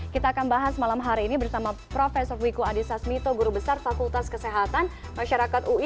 kita akan bahas malam hari ini bersama prof wiku adhisa smito guru besar fakultas kesehatan masyarakat ui